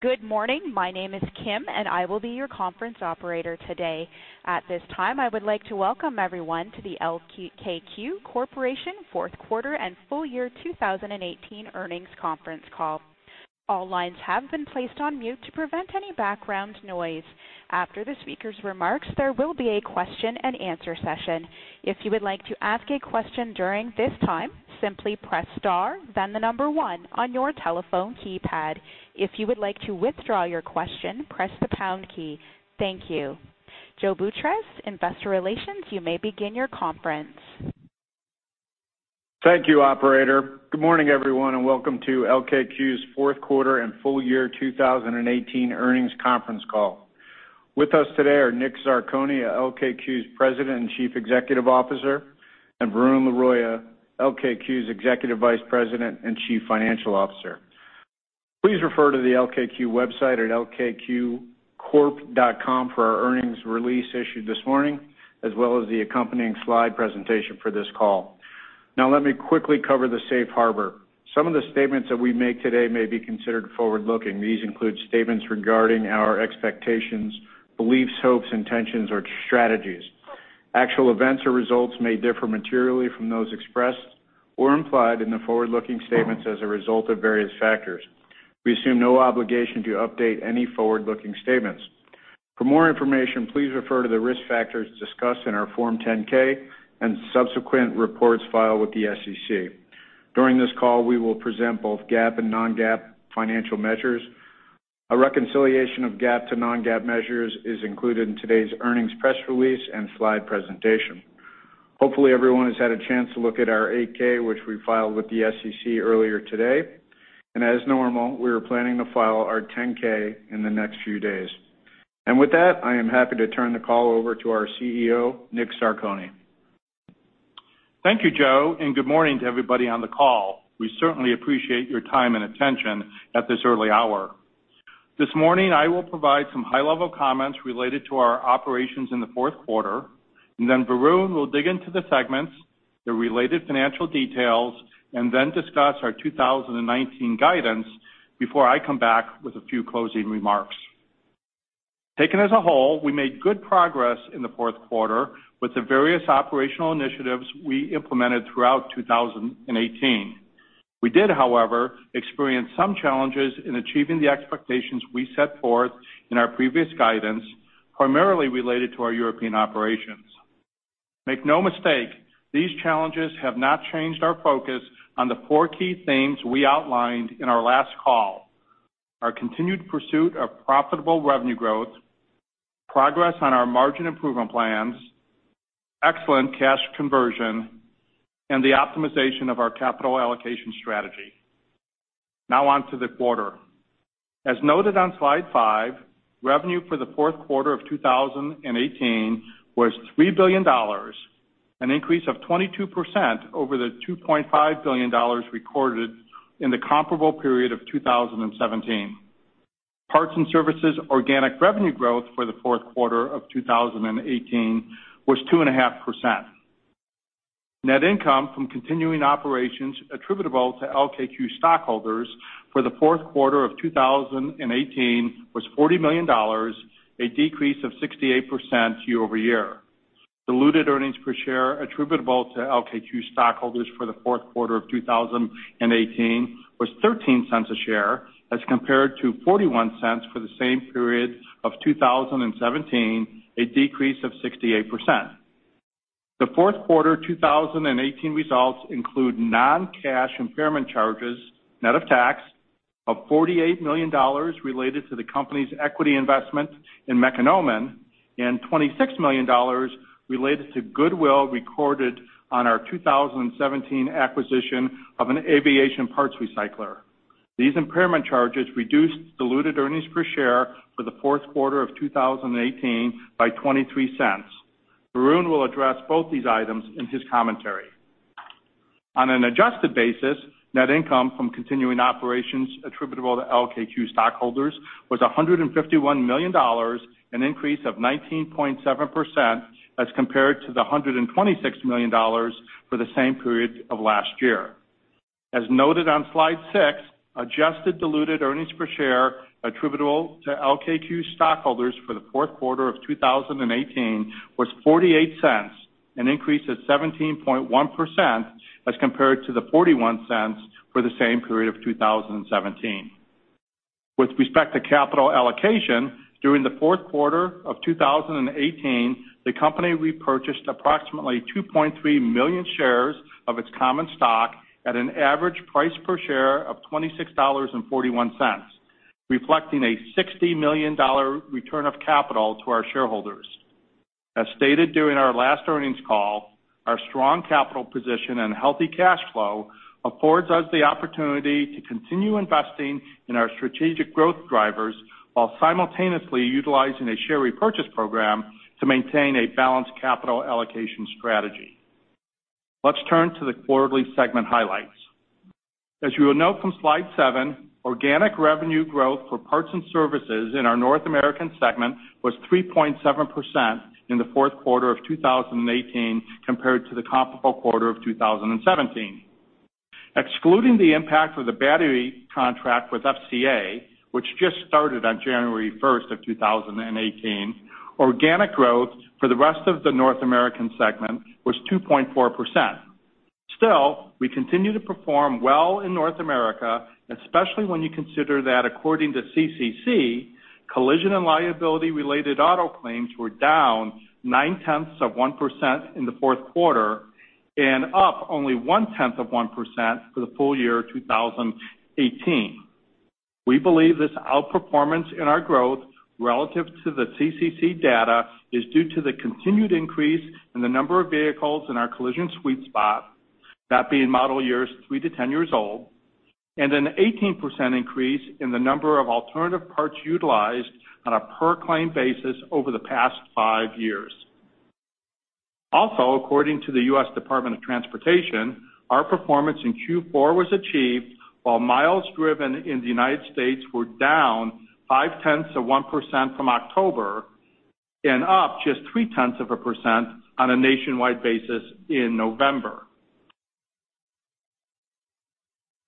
Good morning. My name is Kim, and I will be your conference operator today. At this time, I would like to welcome everyone to the LKQ Corporation fourth quarter and full year 2018 earnings conference call. All lines have been placed on mute to prevent any background noise. After the speaker's remarks, there will be a question and answer session. If you would like to ask a question during this time, simply press star, then the number one on your telephone keypad. If you would like to withdraw your question, press the pound key. Thank you. Joe Boutross, investor relations, you may begin your conference. Thank you, operator. Good morning, everyone, welcome to LKQ's fourth quarter and full year 2018 earnings conference call. With us today are Dominick Zarcone, LKQ's President and Chief Executive Officer, and Varun Laroyia, LKQ's Executive Vice President and Chief Financial Officer. Please refer to the LKQ website at lkqcorp.com for our earnings release issued this morning, as well as the accompanying slide presentation for this call. Let me quickly cover the safe harbor. Some of the statements that we make today may be considered forward-looking. These include statements regarding our expectations, beliefs, hopes, intentions, or strategies. Actual events or results may differ materially from those expressed or implied in the forward-looking statements as a result of various factors. We assume no obligation to update any forward-looking statements. For more information, please refer to the risk factors discussed in our Form 10-K and subsequent reports filed with the SEC. During this call, we will present both GAAP and non-GAAP financial measures. A reconciliation of GAAP to non-GAAP measures is included in today's earnings press release and slide presentation. Hopefully, everyone has had a chance to look at our 8-K, which we filed with the SEC earlier today. As normal, we are planning to file our 10-K in the next few days. With that, I am happy to turn the call over to our CEO, Dominick Zarcone. Thank you, Joe, good morning to everybody on the call. We certainly appreciate your time and attention at this early hour. This morning, I will provide some high-level comments related to our operations in the fourth quarter. Then Varun will dig into the segments, the related financial details, and then discuss our 2019 guidance before I come back with a few closing remarks. Taken as a whole, we made good progress in the fourth quarter with the various operational initiatives we implemented throughout 2018. We did, however, experience some challenges in achieving the expectations we set forth in our previous guidance, primarily related to our European operations. Make no mistake, these challenges have not changed our focus on the four key themes we outlined in our last call. Our continued pursuit of profitable revenue growth, progress on our margin improvement plans, excellent cash conversion, and the optimization of our capital allocation strategy. Now on to the quarter. As noted on slide five, revenue for the fourth quarter of 2018 was $3 billion, an increase of 22% over the $2.5 billion recorded in the comparable period of 2017. Parts and services organic revenue growth for the fourth quarter of 2018 was 2.5%. Net income from continuing operations attributable to LKQ stockholders for the fourth quarter of 2018 was $40 million, a decrease of 68% year-over-year. Diluted earnings per share attributable to LKQ stockholders for the fourth quarter of 2018 was $0.13 a share as compared to $0.41 for the same period of 2017, a decrease of 68%. The fourth quarter 2018 results include non-cash impairment charges net of tax of $48 million related to the company's equity investment in Mekonomen and $26 million related to goodwill recorded on our 2017 acquisition of an aviation parts recycler. These impairment charges reduced diluted earnings per share for the fourth quarter of 2018 by $0.23. Varun will address both these items in his commentary. On an adjusted basis, net income from continuing operations attributable to LKQ stockholders was $151 million, an increase of 19.7% as compared to the $126 million for the same period of last year. As noted on slide six, adjusted diluted earnings per share attributable to LKQ stockholders for the fourth quarter of 2018 was $0.48, an increase of 17.1% as compared to the $0.41 for the same period of 2017. With respect to capital allocation, during the fourth quarter of 2018, the company repurchased approximately 2.3 million shares of its common stock at an average price per share of $26.41, reflecting a $60 million return of capital to our shareholders. As stated during our last earnings call, our strong capital position and healthy cash flow affords us the opportunity to continue investing in our strategic growth drivers while simultaneously utilizing a share repurchase program to maintain a balanced capital allocation strategy. Let's turn to the quarterly segment highlights. As you will note from slide seven, organic revenue growth for parts and services in our North American segment was 3.7% in the fourth quarter of 2018 compared to the comparable quarter of 2017. Excluding the impact of the battery contract with FCA, which just started on January 1, 2018, organic growth for the rest of the North American segment was 2.4%. Still, we continue to perform well in North America, especially when you consider that according to CCC, collision and liability-related auto claims were down 0.9% in the fourth quarter and up only 0.1% for the full year 2018. We believe this outperformance in our growth relative to the CCC data is due to the continued increase in the number of vehicles in our collision sweet spot, that being model years 3 to 10 years old, and an 18% increase in the number of alternative parts utilized on a per-claim basis over the past five years. Also, according to the U.S. Department of Transportation, our performance in Q4 was achieved while miles driven in the United States were down 0.5% from October and up just 0.3% on a nationwide basis in November.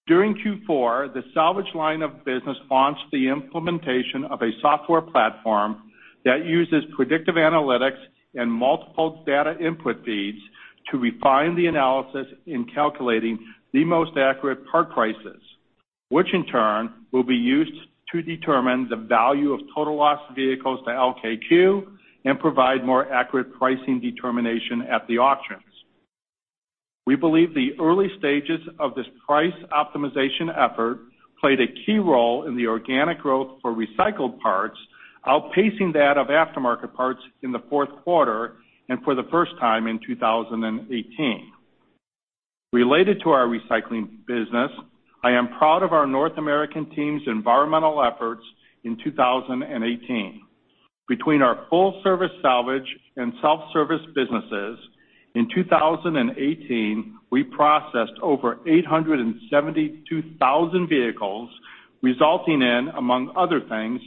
During Q4, the salvage line of business launched the implementation of a software platform that uses predictive analytics and multiple data input feeds to refine the analysis in calculating the most accurate part prices, which in turn will be used to determine the value of total loss vehicles to LKQ and provide more accurate pricing determination at the auctions. We believe the early stages of this price optimization effort played a key role in the organic growth for recycled parts, outpacing that of aftermarket parts in the fourth quarter and for the first time in 2018. Related to our recycling business, I am proud of our North American team's environmental efforts in 2018. Between our full-service salvage and self-service businesses, in 2018, we processed over 872,000 vehicles, resulting in, among other things,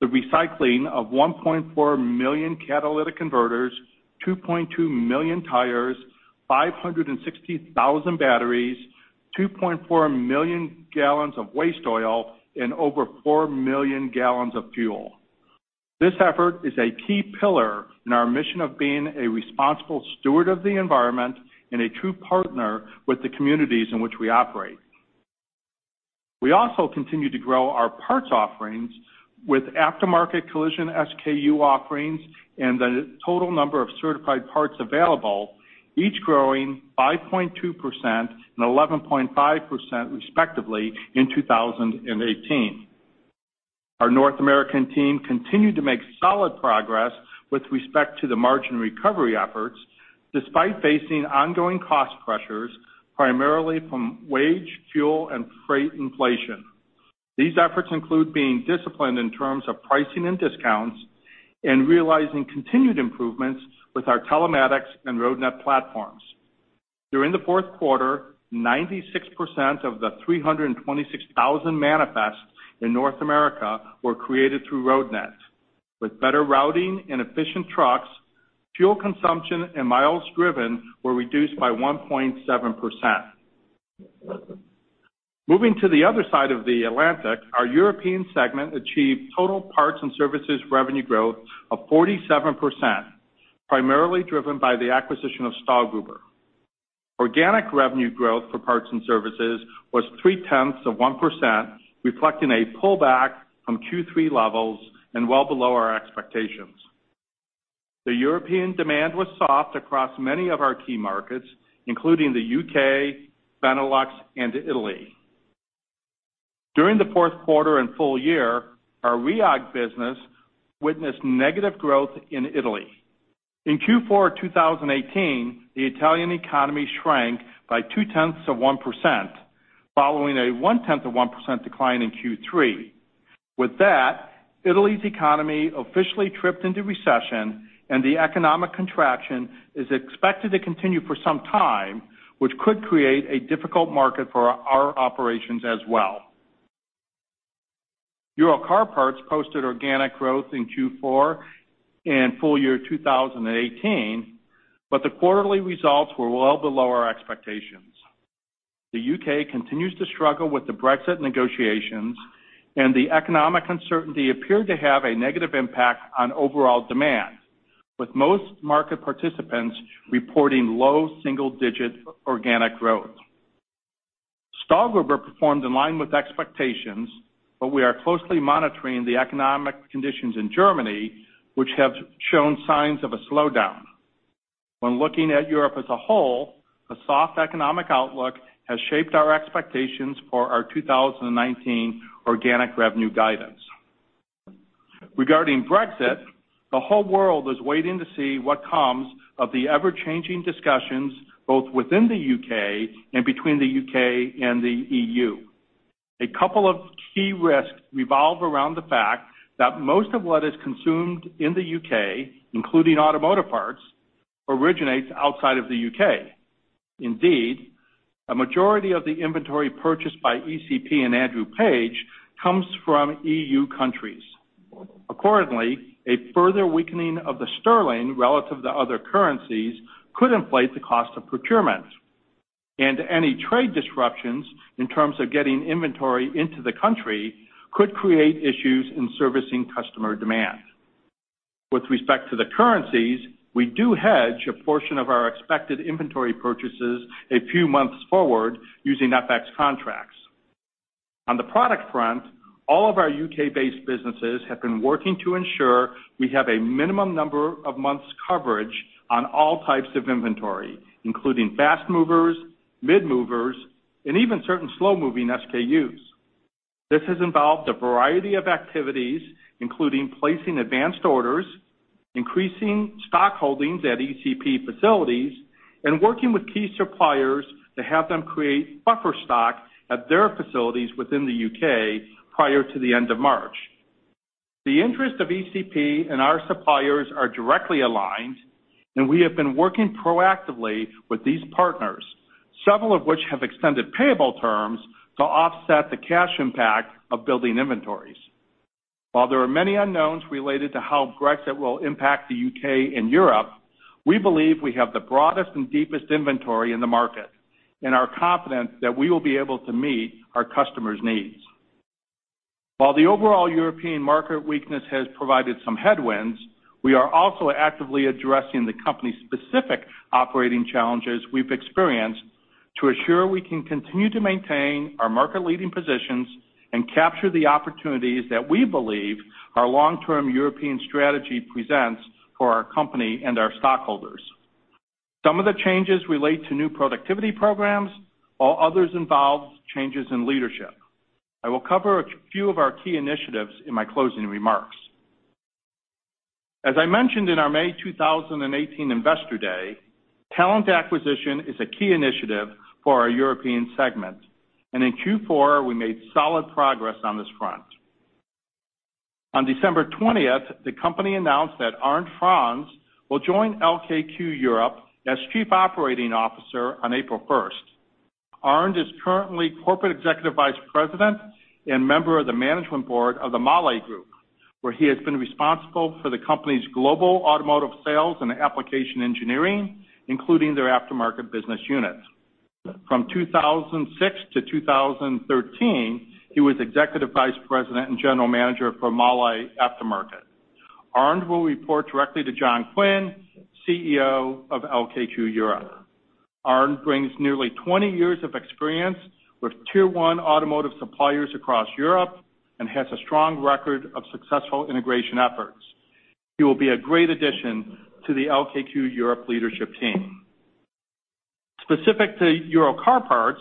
the recycling of 1.4 million catalytic converters, 2.2 million tires, 560,000 batteries, 2.4 million gallons of waste oil, and over 4 million gallons of fuel. This effort is a key pillar in our mission of being a responsible steward of the environment and a true partner with the communities in which we operate. We also continue to grow our parts offerings with aftermarket collision SKU offerings and the total number of certified parts available, each growing 5.2% and 11.5% respectively in 2018. Our North American team continued to make solid progress with respect to the margin recovery efforts, despite facing ongoing cost pressures, primarily from wage, fuel, and freight inflation. These efforts include being disciplined in terms of pricing and discounts and realizing continued improvements with our telematics and Roadnet platforms. During the fourth quarter, 96% of the 326,000 manifests in North America were created through Roadnet. With better routing and efficient trucks, fuel consumption and miles driven were reduced by 1.7%. Moving to the other side of the Atlantic, our European segment achieved total parts and services revenue growth of 47%, primarily driven by the acquisition of Stahlgruber. Organic revenue growth for parts and services was 0.3%, reflecting a pullback from Q3 levels and well below our expectations. The European demand was soft across many of our key markets, including the U.K., Benelux, and Italy. During the fourth quarter and full year, our Rhiag business witnessed negative growth in Italy. In Q4 2018, the Italian economy shrank by 0.2%, following a 0.1% decline in Q3. Italy's economy officially tripped into recession and the economic contraction is expected to continue for some time, which could create a difficult market for our operations as well. Euro Car Parts posted organic growth in Q4 and full year 2018, but the quarterly results were well below our expectations. The U.K. continues to struggle with the Brexit negotiations, and the economic uncertainty appeared to have a negative impact on overall demand, with most market participants reporting low single-digit organic growth. Stahlgruber performed in line with expectations. We are closely monitoring the economic conditions in Germany, which have shown signs of a slowdown. When looking at Europe as a whole, a soft economic outlook has shaped our expectations for our 2019 organic revenue guidance. Regarding Brexit, the whole world is waiting to see what comes of the ever-changing discussions both within the U.K. and between the U.K. and the EU. A couple of key risks revolve around the fact that most of what is consumed in the U.K., including automotive parts, originates outside of the U.K. Indeed, a majority of the inventory purchased by ECP and Andrew Page comes from EU countries. Accordingly, a further weakening of the sterling relative to other currencies could inflate the cost of procurement. Any trade disruptions in terms of getting inventory into the country could create issues in servicing customer demand. With respect to the currencies, we do hedge a portion of our expected inventory purchases a few months forward using FX contracts. On the product front, all of our U.K.-based businesses have been working to ensure we have a minimum number of months coverage on all types of inventory, including fast movers, mid movers, and even certain slow-moving SKUs. This has involved a variety of activities, including placing advanced orders, increasing stock holdings at ECP facilities, and working with key suppliers to have them create buffer stock at their facilities within the U.K. prior to the end of March. The interest of ECP and our suppliers are directly aligned. We have been working proactively with these partners, several of which have extended payable terms to offset the cash impact of building inventories. While there are many unknowns related to how Brexit will impact the U.K. and Europe, we believe we have the broadest and deepest inventory in the market and are confident that we will be able to meet our customers' needs. While the overall European market weakness has provided some headwinds, we are also actively addressing the company's specific operating challenges we've experienced to assure we can continue to maintain our market-leading positions and capture the opportunities that we believe our long-term European strategy presents for our company and our stockholders. Some of the changes relate to new productivity programs, while others involve changes in leadership. I will cover a few of our key initiatives in my closing remarks. As I mentioned in our May 2018 investor day, talent acquisition is a key initiative for our European segment. In Q4, we made solid progress on this front. On December twentieth, the company announced that Arnd Franz will join LKQ Europe as Chief Operating Officer on April first. Arnd is currently Corporate Executive Vice President and member of the management board of the Mahle Group, where he has been responsible for the company's global automotive sales and application engineering, including their Aftermarket business unit. From 2006 to 2013, he was Executive Vice President and General Manager for Mahle Aftermarket. Arnd will report directly to John Quinn, CEO of LKQ Europe. Arnd brings nearly 20 years of experience with tier 1 automotive suppliers across Europe and has a strong record of successful integration efforts. He will be a great addition to the LKQ Europe leadership team. Specific to Euro Car Parts,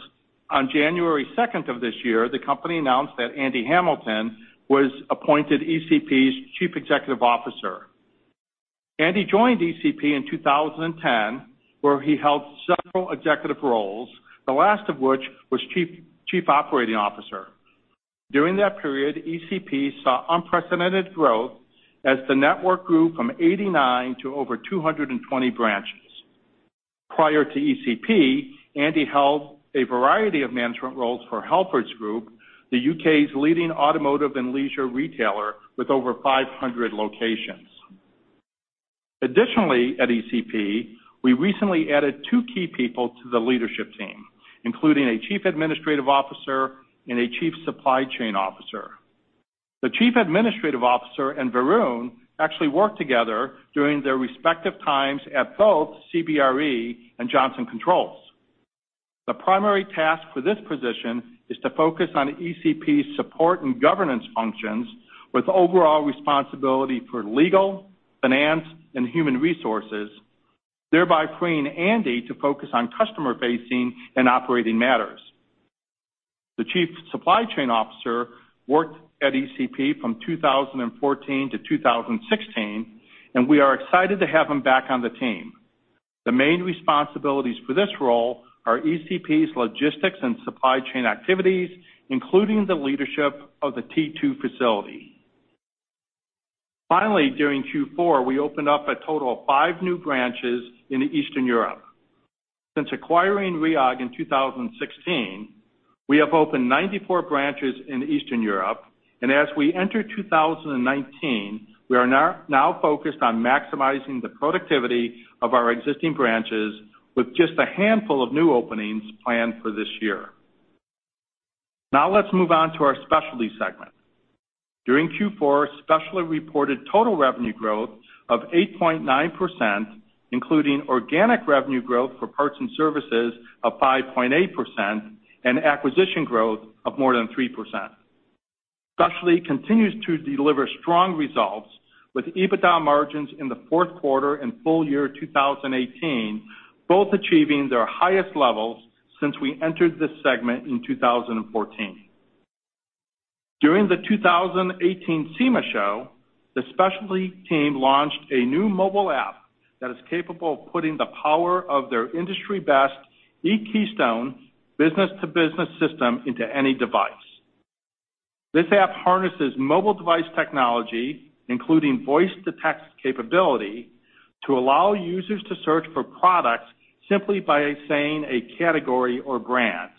on January second of this year, the company announced that Andy Hamilton was appointed ECP's Chief Executive Officer. Andy joined ECP in 2010, where he held several executive roles, the last of which was Chief Operating Officer. During that period, ECP saw unprecedented growth as the network grew from 89 to over 220 branches. Prior to ECP, Andy held a variety of management roles for Halfords Group, the U.K.'s leading automotive and leisure retailer with over 500 locations. Additionally, at ECP, we recently added two key people to the leadership team, including a Chief Administrative Officer and a Chief Supply Chain Officer. The Chief Administrative Officer and Varun actually worked together during their respective times at both CBRE and Johnson Controls. The primary task for this position is to focus on ECP's support and governance functions with overall responsibility for legal, finance, and human resources, thereby freeing Andy to focus on customer-facing and operating matters. The Chief Supply Chain Officer worked at ECP from 2014 to 2016, and we are excited to have him back on the team. The main responsibilities for this role are ECP's logistics and supply chain activities, including the leadership of the T2 facility. Finally, during Q4, we opened up a total of 5 new branches in Eastern Europe. Since acquiring Rhiag in 2016, we have opened 94 branches in Eastern Europe, and as we enter 2019, we are now focused on maximizing the productivity of our existing branches with just a handful of new openings planned for this year. Now let's move on to our Specialty segment. During Q4, Specialty reported total revenue growth of 8.9%, including organic revenue growth for parts and services of 5.8% and acquisition growth of more than 3%. Specialty continues to deliver strong results with EBITDA margins in the fourth quarter and full year 2018, both achieving their highest levels since we entered this segment in 2014. During the 2018 SEMA Show, the Specialty team launched a new mobile app that is capable of putting the power of their industry-best eKeystone business-to-business system into any device. This app harnesses mobile device technology, including voice-to-text capability, to allow users to search for products simply by saying a category or brand.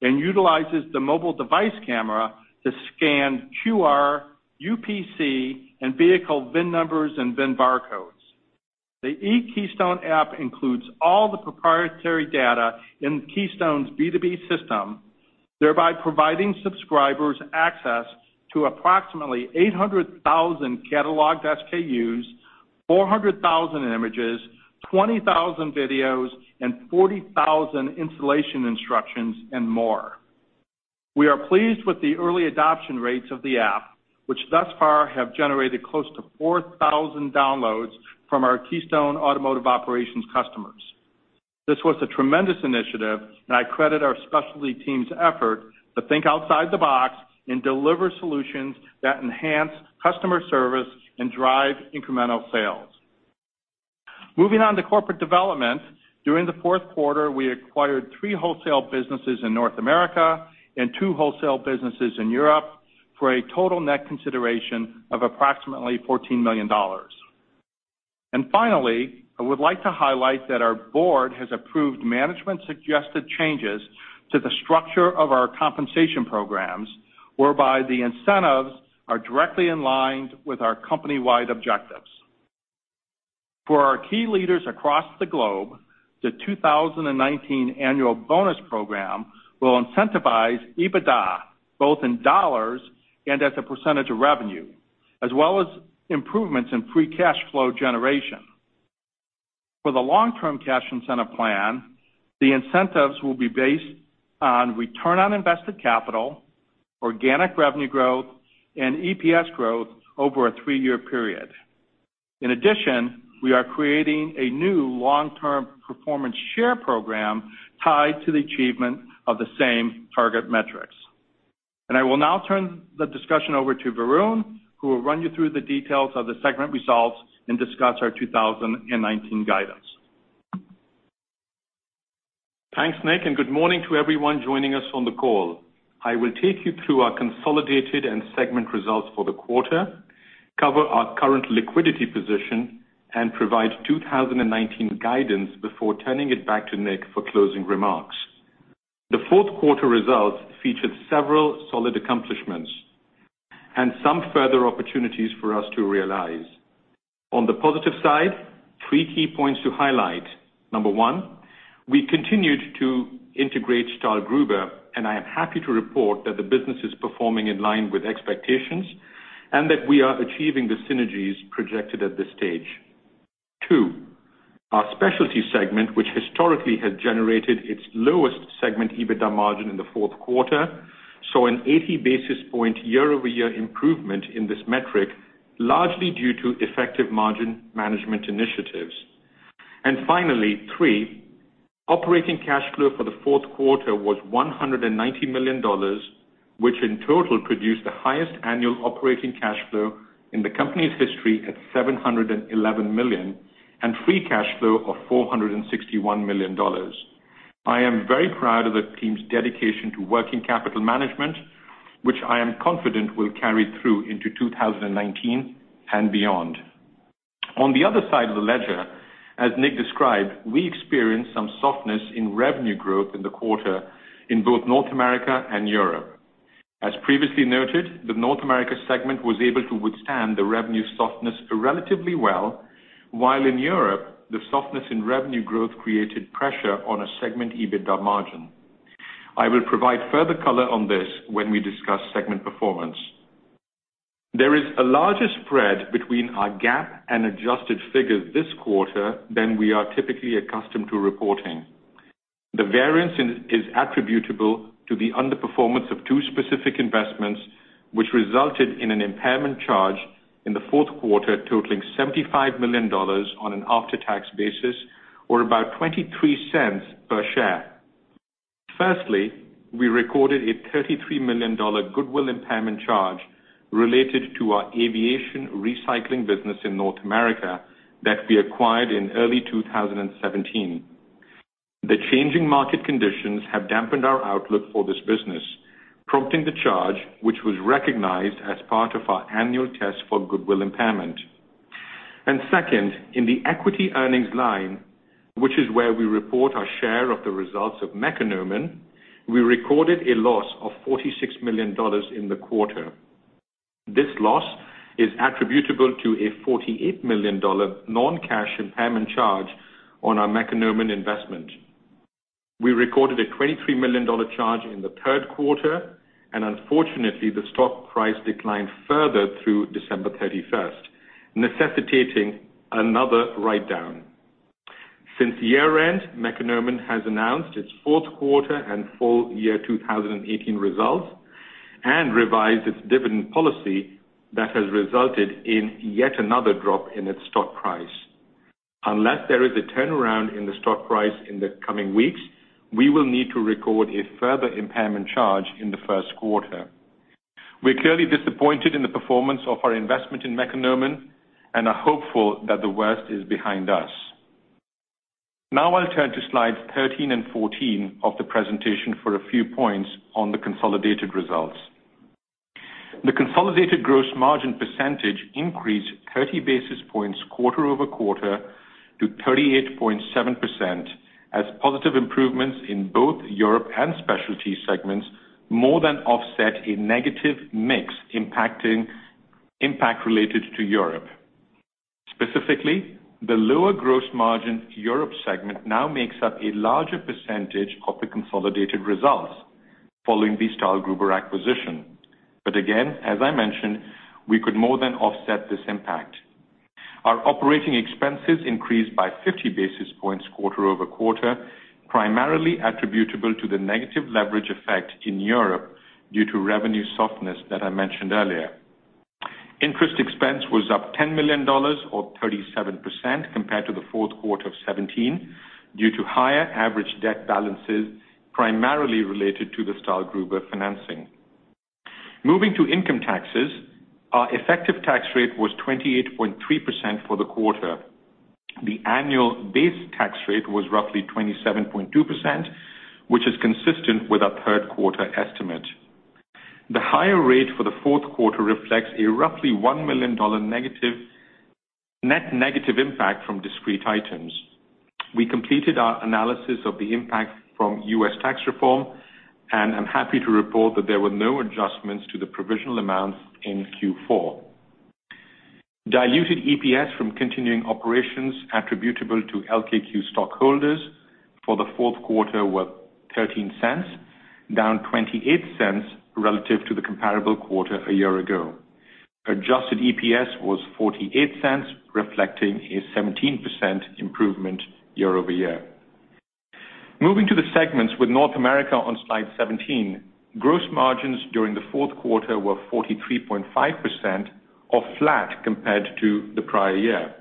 It utilizes the mobile device camera to scan QR, UPC, and vehicle VIN numbers and VIN barcodes. The eKeystone app includes all the proprietary data in Keystone's B2B system, thereby providing subscribers access to approximately 800,000 cataloged SKUs, 400,000 images, 20,000 videos, and 40,000 installation instructions, and more. We are pleased with the early adoption rates of the app, which thus far have generated close to 4,000 downloads from our Keystone Automotive Operations customers. This was a tremendous initiative, and I credit our specialty team's effort to think outside the box and deliver solutions that enhance customer service and drive incremental sales. Moving on to corporate development. During the fourth quarter, we acquired three wholesale businesses in North America and two wholesale businesses in Europe for a total net consideration of approximately $14 million. Finally, I would like to highlight that our board has approved management-suggested changes to the structure of our compensation programs, whereby the incentives are directly in line with our company-wide objectives. For our key leaders across the globe, the 2019 annual bonus program will incentivize EBITDA, both in dollars and as a percentage of revenue, as well as improvements in free cash flow generation. For the long-term cash incentive plan, the incentives will be based on return on invested capital, organic revenue growth, and EPS growth over a three-year period. In addition, we are creating a new long-term performance share program tied to the achievement of the same target metrics. I will now turn the discussion over to Varun, who will run you through the details of the segment results and discuss our 2019 guidance. Thanks, Nick, good morning to everyone joining us on the call. I will take you through our consolidated and segment results for the quarter, cover our current liquidity position, and provide 2019 guidance before turning it back to Nick for closing remarks. The fourth quarter results featured several solid accomplishments and some further opportunities for us to realize. On the positive side, three key points to highlight. Number one, we continued to integrate Stahlgruber, and I am happy to report that the business is performing in line with expectations and that we are achieving the synergies projected at this stage. 2, our specialty segment, which historically has generated its lowest segment EBITDA margin in the fourth quarter, saw an 80 basis point year-over-year improvement in this metric, largely due to effective margin management initiatives. Finally, 3, operating cash flow for the fourth quarter was $190 million, which in total produced the highest annual operating cash flow in the company's history at $711 million and free cash flow of $461 million. I am very proud of the team's dedication to working capital management, which I am confident will carry through into 2019 and beyond. On the other side of the ledger, as Nick described, we experienced some softness in revenue growth in the quarter in both North America and Europe. As previously noted, the North America segment was able to withstand the revenue softness relatively well, while in Europe, the softness in revenue growth created pressure on a segment EBITDA margin. I will provide further color on this when we discuss segment performance. There is a larger spread between our GAAP and adjusted figures this quarter than we are typically accustomed to reporting. The variance is attributable to the underperformance of two specific investments, which resulted in an impairment charge in the fourth quarter totaling $75 million on an after-tax basis, or about $0.23 per share. Firstly, we recorded a $33 million goodwill impairment charge related to our aviation recycling business in North America that we acquired in early 2017. The changing market conditions have dampened our outlook for this business, prompting the charge, which was recognized as part of our annual test for goodwill impairment. Second, in the equity earnings line, which is where we report our share of the results of Mekonomen, we recorded a loss of $46 million in the quarter. This loss is attributable to a $48 million non-cash impairment charge on our Mekonomen investment. We recorded a $23 million charge in the third quarter, and unfortunately, the stock price declined further through December 31st, necessitating another write-down. Since year-end, Mekonomen has announced its fourth quarter and full year 2018 results and revised its dividend policy that has resulted in yet another drop in its stock price. Unless there is a turnaround in the stock price in the coming weeks, we will need to record a further impairment charge in the first quarter. We are clearly disappointed in the performance of our investment in Mekonomen and are hopeful that the worst is behind us. Now I'll turn to slides 13 and 14 of the presentation for a few points on the consolidated results. Consolidated gross margin percentage increased 30 basis points quarter-over-quarter to 38.7% as positive improvements in both Europe and specialty segments more than offset a negative mix impact related to Europe. Specifically, the lower gross margin Europe segment now makes up a larger percentage of the consolidated results following the Stahlgruber acquisition. But again, as I mentioned, we could more than offset this impact. Our operating expenses increased by 50 basis points quarter-over-quarter, primarily attributable to the negative leverage effect in Europe due to revenue softness that I mentioned earlier. Interest expense was up $10 million, or 37%, compared to the fourth quarter of 2017, due to higher average debt balances, primarily related to the Stahlgruber financing. Moving to income taxes, our effective tax rate was 28.3% for the quarter. The annual base tax rate was roughly 27.2%, which is consistent with our third quarter estimate. The higher rate for the fourth quarter reflects a roughly $1 million net negative impact from discrete items. We completed our analysis of the impact from U.S. tax reform, and I'm happy to report that there were no adjustments to the provisional amounts in Q4. Diluted EPS from continuing operations attributable to LKQ stockholders for the fourth quarter were $0.13, down $0.28 relative to the comparable quarter a year ago. Adjusted EPS was $0.48, reflecting a 17% improvement year-over-year. Moving to the segments with North America on slide 17, gross margins during the fourth quarter were 43.5%, or flat compared to the prior year.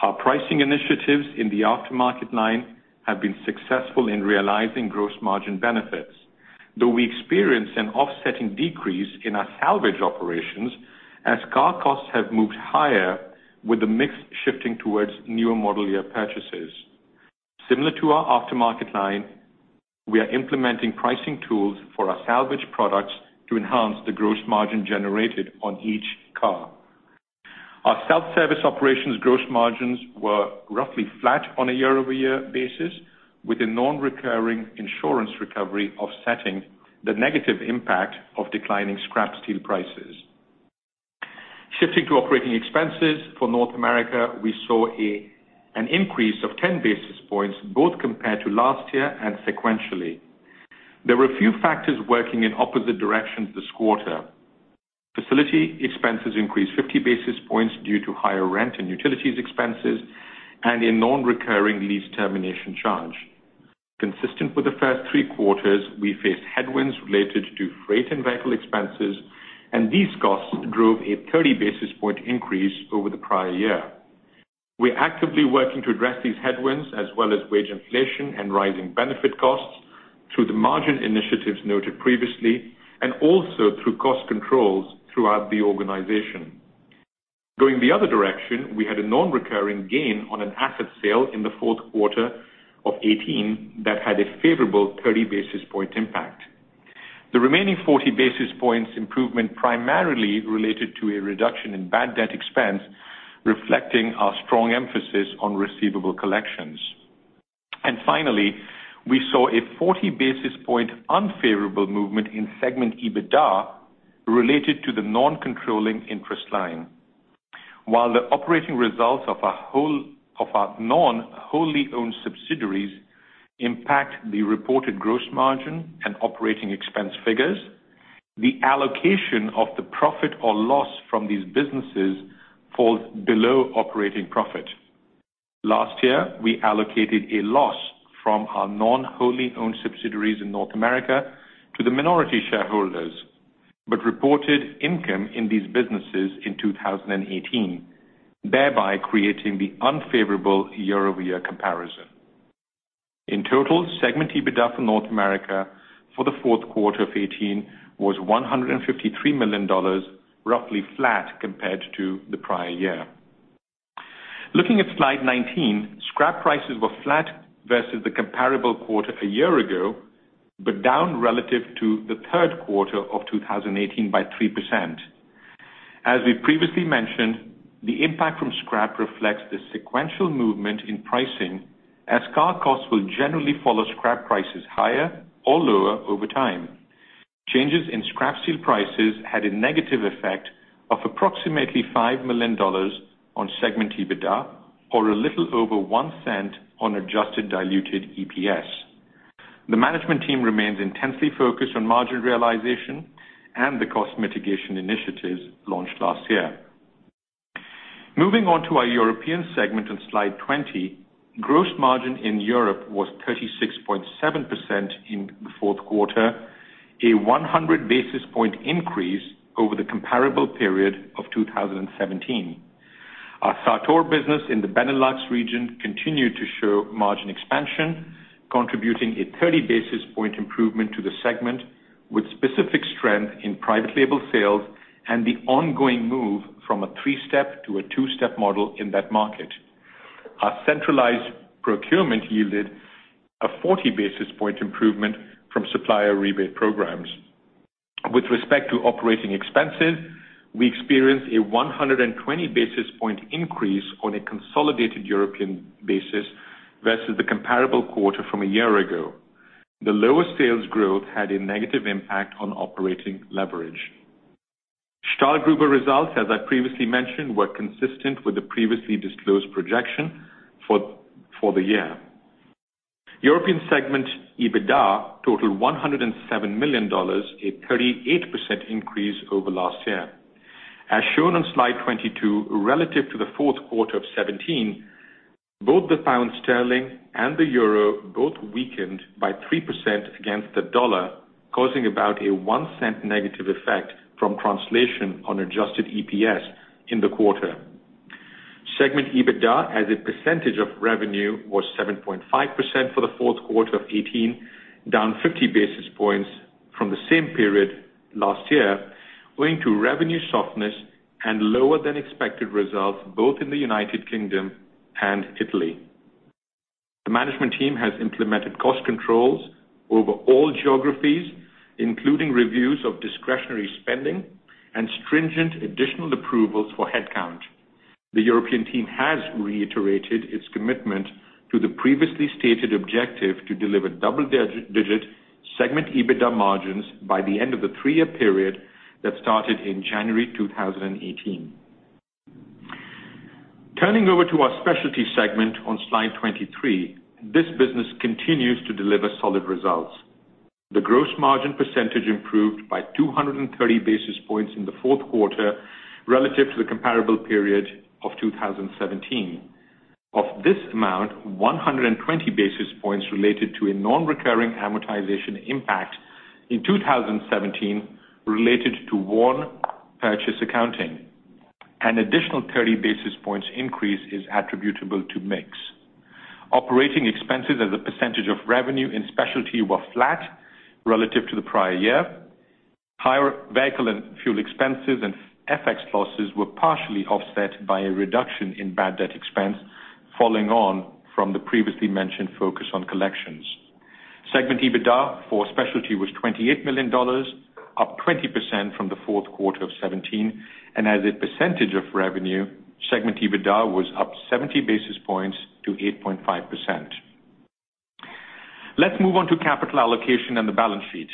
Our pricing initiatives in the aftermarket line have been successful in realizing gross margin benefits, though we experienced an offsetting decrease in our salvage operations as car costs have moved higher with the mix shifting towards newer model year purchases. Similar to our aftermarket line, we are implementing pricing tools for our salvage products to enhance the gross margin generated on each car. Our self-service operations gross margins were roughly flat on a year-over-year basis, with a non-recurring insurance recovery offsetting the negative impact of declining scrap steel prices. Shifting to operating expenses for North America, we saw an increase of 10 basis points both compared to last year and sequentially. There were a few factors working in opposite directions this quarter. Facility expenses increased 50 basis points due to higher rent and utilities expenses and a non-recurring lease termination charge. Consistent with the first three quarters, we faced headwinds related to freight and vehicle expenses, and these costs drove a 30 basis point increase over the prior year. We are actively working to address these headwinds as well as wage inflation and rising benefit costs through the margin initiatives noted previously, and also through cost controls throughout the organization. Going the other direction, we had a non-recurring gain on an asset sale in the fourth quarter of 2018 that had a favorable 30 basis point impact. The remaining 40 basis points improvement primarily related to a reduction in bad debt expense, reflecting our strong emphasis on receivable collections. Finally, we saw a 40 basis point unfavorable movement in segment EBITDA related to the non-controlling interest line. While the operating results of our non-wholly owned subsidiaries impact the reported gross margin and operating expense figures, the allocation of the profit or loss from these businesses falls below operating profit. Last year, we allocated a loss from our non-wholly owned subsidiaries in North America to the minority shareholders, but reported income in these businesses in 2018, thereby creating the unfavorable year-over-year comparison. In total, segment EBITDA for North America for the fourth quarter of 2018 was $153 million, roughly flat compared to the prior year. Looking at slide 19, scrap prices were flat versus the comparable quarter a year ago, but down relative to the third quarter of 2018 by 3%. As we previously mentioned, the impact from scrap reflects the sequential movement in pricing, as car costs will generally follow scrap prices higher or lower over time. Changes in scrap steel prices had a negative effect of approximately $5 million on segment EBITDA or a little over $0.01 on adjusted diluted EPS. The management team remains intensely focused on margin realization and the cost mitigation initiatives launched last year. Moving on to our European segment on slide 20, gross margin in Europe was 36.7% in the fourth quarter, a 100 basis point increase over the comparable period of 2017. Our Sator business in the Benelux region continued to show margin expansion, contributing a 30 basis point improvement to the segment, with specific strength in private label sales and the ongoing move from a three-step to a two-step model in that market. Our centralized procurement yielded a 40 basis point improvement from supplier rebate programs. With respect to operating expenses, we experienced a 120 basis point increase on a consolidated European basis versus the comparable quarter from a year ago. The lower sales growth had a negative impact on operating leverage. Stahlgruber results, as I previously mentioned, were consistent with the previously disclosed projection for the year. European segment EBITDA totaled $107 million, a 38% increase over last year. As shown on slide 22, relative to the fourth quarter of 2017, both the pound sterling and the euro both weakened by 3% against the dollar, causing about a $0.01 negative effect from translation on adjusted EPS in the quarter. Segment EBITDA as a percentage of revenue was 7.5% for the fourth quarter of 2018, down 50 basis points from the same period last year, owing to revenue softness and lower than expected results both in the U.K. and Italy. The management team has implemented cost controls over all geographies, including reviews of discretionary spending and stringent additional approvals for headcount. The European team has reiterated its commitment to the previously stated objective to deliver double-digit segment EBITDA margins by the end of the three-year period that started in January 2018. Turning over to our specialty segment on slide 23, this business continues to deliver solid results. The gross margin percentage improved by 230 basis points in the fourth quarter relative to the comparable period of 2017. Of this amount, 120 basis points related to a non-recurring amortization impact in 2017 related to one purchase accounting. An additional 30 basis points increase is attributable to mix. Operating expenses as a percentage of revenue in specialty were flat relative to the prior year. Higher vehicle and fuel expenses and FX losses were partially offset by a reduction in bad debt expense following on from the previously mentioned focus on collections. Segment EBITDA for specialty was $28 million, up 20% from the fourth quarter of 2017, and as a percentage of revenue, segment EBITDA was up 70 basis points to 8.5%. Let's move on to capital allocation and the balance sheet.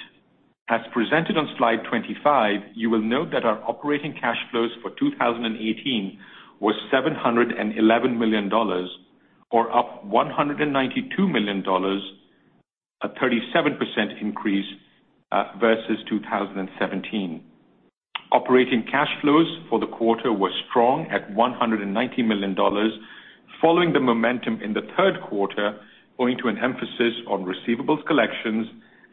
As presented on slide 25, you will note that our operating cash flows for 2018 was $711 million, or up $192 million, a 37% increase versus 2017. Operating cash flows for the quarter were strong at $190 million, following the momentum in the third quarter, owing to an emphasis on receivables collections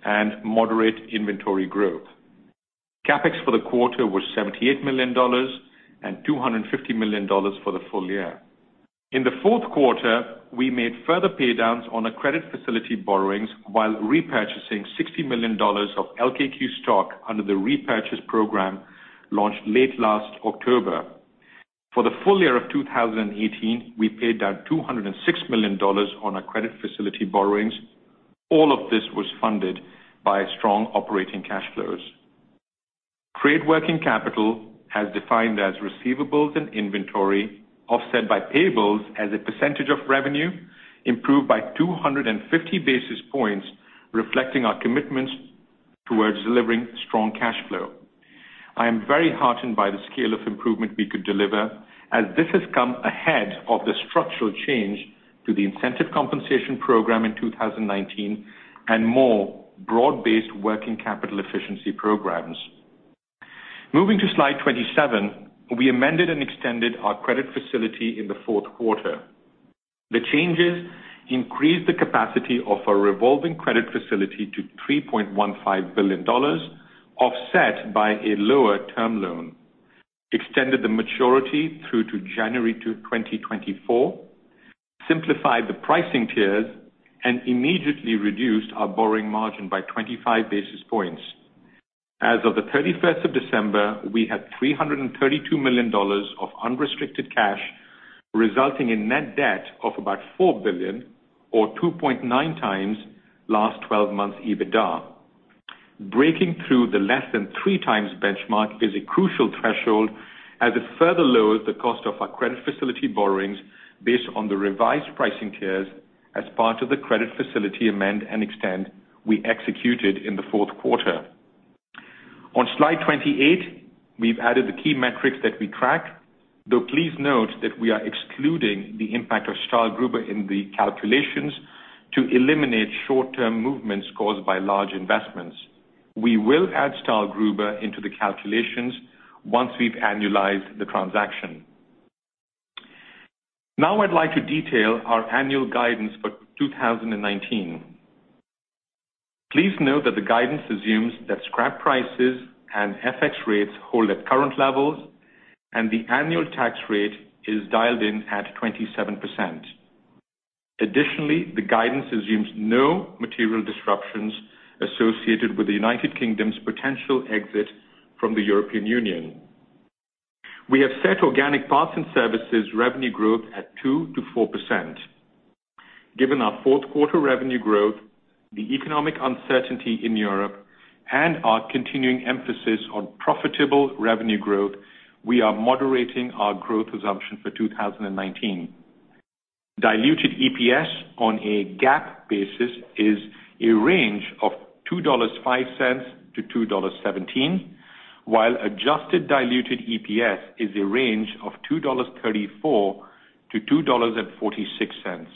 and moderate inventory growth. CapEx for the quarter was $78 million and $250 million for the full year. In the fourth quarter, we made further paydowns on our credit facility borrowings while repurchasing $60 million of LKQ stock under the repurchase program launched late last October. For the full year of 2018, we paid down $206 million on our credit facility borrowings. All of this was funded by strong operating cash flows. Trade working capital, as defined as receivables and inventory offset by payables as a percentage of revenue, improved by 250 basis points, reflecting our commitments towards delivering strong cash flow. I am very heartened by the scale of improvement we could deliver, as this has come ahead of the structural change to the incentive compensation program in 2019 and more broad-based working capital efficiency programs. Moving to slide 27, we amended and extended our credit facility in the fourth quarter. The changes increased the capacity of our revolving credit facility to $3.15 billion, offset by a lower term loan, extended the maturity through to January 2024, simplified the pricing tiers, and immediately reduced our borrowing margin by 25 basis points. As of the 31st of December, we had $332 million of unrestricted cash, resulting in net debt of about $4 billion or 2.9 times last 12 months EBITDA. Breaking through the less than three times benchmark is a crucial threshold as it further lowers the cost of our credit facility borrowings based on the revised pricing tiers as part of the credit facility amend and extend we executed in the fourth quarter. On slide 28, we've added the key metrics that we track, though please note that we are excluding the impact of Stahlgruber in the calculations to eliminate short-term movements caused by large investments. We will add Stahlgruber into the calculations once we've annualized the transaction. Now I'd like to detail our annual guidance for 2019. Please note that the guidance assumes that scrap prices and FX rates hold at current levels and the annual tax rate is dialed in at 27%. Additionally, the guidance assumes no material disruptions associated with the United Kingdom's potential exit from the European Union. We have set organic parts and services revenue growth at 2%-4%. Given our fourth quarter revenue growth, the economic uncertainty in Europe, and our continuing emphasis on profitable revenue growth, we are moderating our growth assumption for 2019. Diluted EPS on a GAAP basis is a range of $2.05-$2.17, while adjusted diluted EPS is a range of $2.34-$2.46.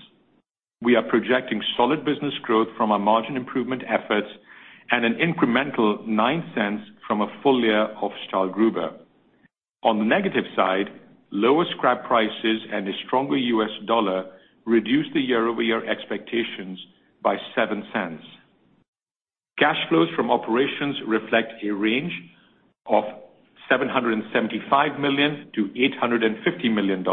We are projecting solid business growth from our margin improvement efforts and an incremental $0.09 from a full year of Stahlgruber. On the negative side, lower scrap prices and a stronger U.S. dollar reduced the year-over-year expectations by $0.07. Cash flows from operations reflect a range of $775 million-$850 million.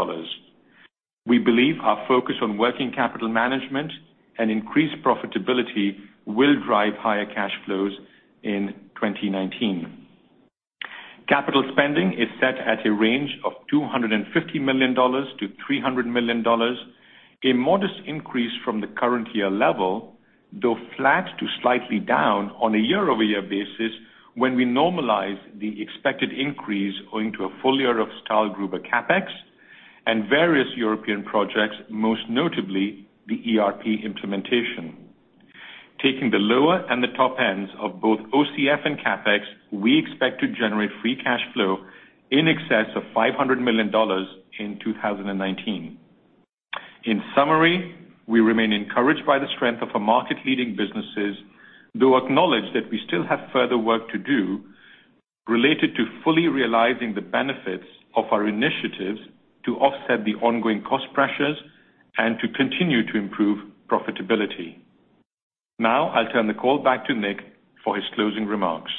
We believe our focus on working capital management and increased profitability will drive higher cash flows in 2019. Capital spending is set at a range of $250 million-$300 million, a modest increase from the current year level, though flat to slightly down on a year-over-year basis when we normalize the expected increase owing to a full year of Stahlgruber CapEx and various European projects, most notably the ERP implementation. Taking the lower and the top ends of both OCF and CapEx, we expect to generate free cash flow in excess of $500 million in 2019. In summary, we remain encouraged by the strength of our market-leading businesses, though acknowledge that we still have further work to do related to fully realizing the benefits of our initiatives to offset the ongoing cost pressures and to continue to improve profitability. I'll turn the call back to Nick for his closing remarks.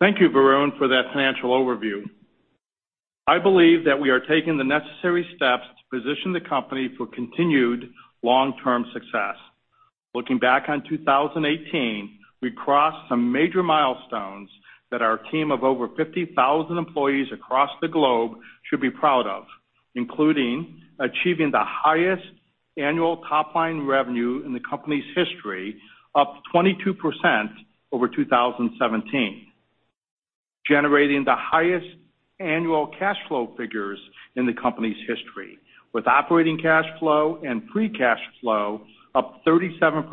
Thank you, Varun, for that financial overview. I believe that we are taking the necessary steps to position the company for continued long-term success. Looking back on 2018, we crossed some major milestones that our team of over 50,000 employees across the globe should be proud of, including achieving the highest annual top-line revenue in the company's history, up 22% over 2017. Generating the highest annual cash flow figures in the company's history, with operating cash flow and free cash flow up 37%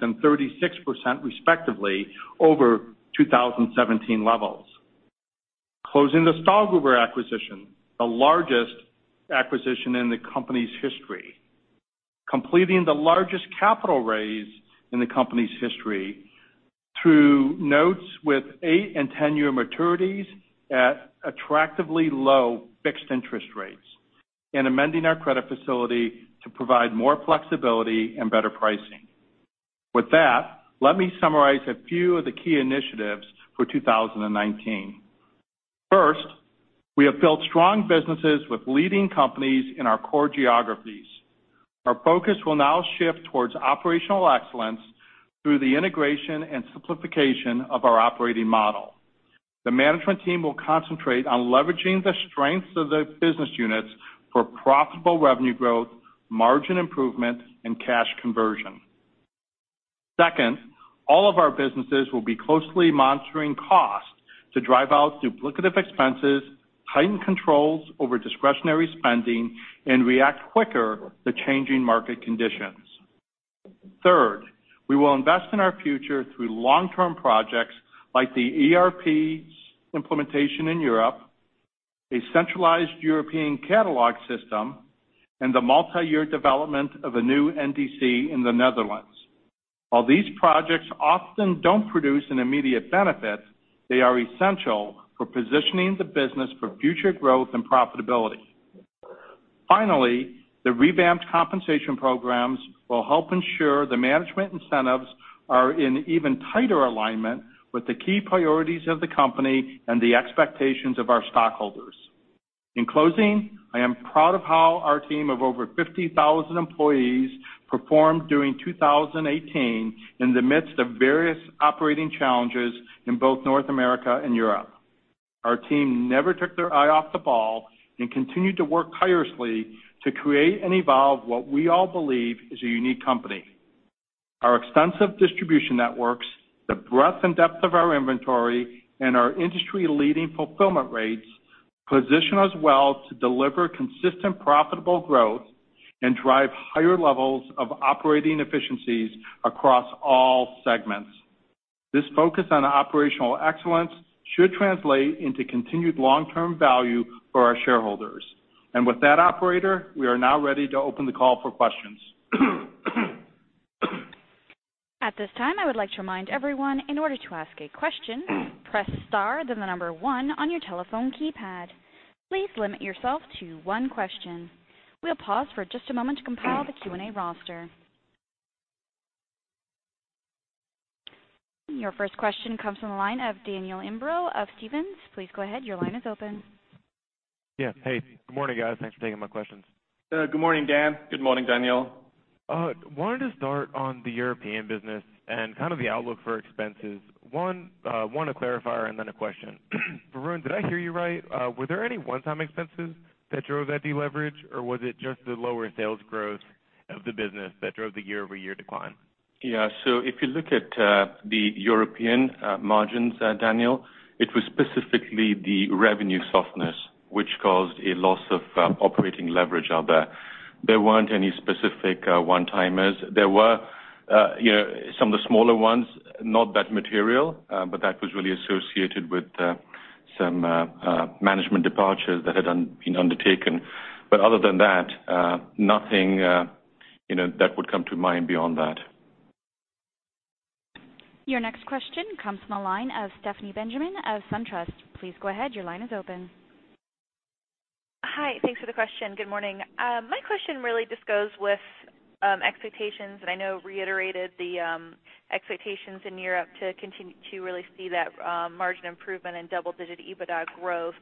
and 36% respectively over 2017 levels. Closing the Stahlgruber acquisition, the largest acquisition in the company's history. Completing the largest capital raise in the company's history through notes with eight and 10-year maturities at attractively low fixed interest rates, and amending our credit facility to provide more flexibility and better pricing. With that, let me summarize a few of the key initiatives for 2019. First, we have built strong businesses with leading companies in our core geographies. Our focus will now shift towards operational excellence through the integration and simplification of our operating model. The management team will concentrate on leveraging the strengths of the business units for profitable revenue growth, margin improvement, and cash conversion. Second, all of our businesses will be closely monitoring costs to drive out duplicative expenses, tighten controls over discretionary spending, and react quicker to changing market conditions. Third, we will invest in our future through long-term projects like the ERP implementation in Europe, a centralized European catalog system, and the multi-year development of a new NDC in the Netherlands. While these projects often don't produce an immediate benefit, they are essential for positioning the business for future growth and profitability. Finally, the revamped compensation programs will help ensure the management incentives are in even tighter alignment with the key priorities of the company and the expectations of our stockholders. In closing, I am proud of how our team of over 50,000 employees performed during 2018 in the midst of various operating challenges in both North America and Europe. Our team never took their eye off the ball and continued to work tirelessly to create and evolve what we all believe is a unique company. Our extensive distribution networks, the breadth and depth of our inventory, and our industry-leading fulfillment rates position us well to deliver consistent, profitable growth and drive higher levels of operating efficiencies across all segments. This focus on operational excellence should translate into continued long-term value for our shareholders. With that operator, we are now ready to open the call for questions. At this time, I would like to remind everyone, in order to ask a question, press star, then the number 1 on your telephone keypad. Please limit yourself to one question. We'll pause for just a moment to compile the Q&A roster. Your first question comes from the line of Daniel Imbro of Stephens. Please go ahead, your line is open. Yeah. Hey, good morning, guys. Thanks for taking my questions. Good morning, Dan. Good morning, Daniel. wanted to start on the European business and kind of the outlook for expenses. One, a clarifier and then a question. Varun, did I hear you right? Were there any one-time expenses that drove that deleverage, or was it just the lower sales growth of the business that drove the year-over-year decline? Yeah. If you look at the European margins, Daniel, it was specifically the revenue softness, which caused a loss of operating leverage out there. There weren't any specific one-timers. There were some of the smaller ones, not that material, but that was really associated with some management departures that had been undertaken. Other than that, nothing that would come to mind beyond that. Your next question comes from the line of Stephanie Benjamin of SunTrust. Please go ahead, your line is open. Hi, thanks for the question. Good morning. My question really just goes with expectations. I know reiterated the expectations in Europe to continue to really see that margin improvement and double-digit EBITDA growth,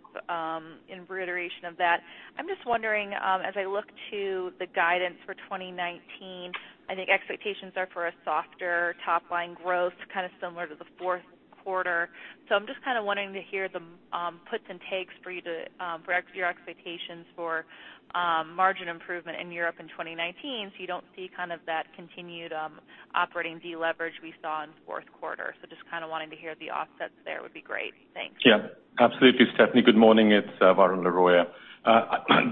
in reiteration of that. I'm just wondering, as I look to the guidance for 2019, I think expectations are for a softer top-line growth, kind of similar to the fourth quarter. I'm just kind of wanting to hear the puts and takes for your expectations for margin improvement in Europe in 2019, you don't see kind of that continued operating deleverage we saw in fourth quarter. Just kind of wanting to hear the offsets there would be great. Thanks. Yeah. Absolutely, Stephanie. Good morning, it's Varun Laroyia.